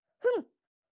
ふん！